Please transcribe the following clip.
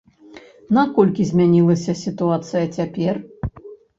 Наколькі змянілася сітуацыя цяпер?